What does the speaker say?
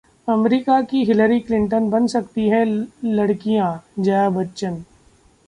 America की Hillary Clinton बन सकती है लड़कियां: जया बच्चन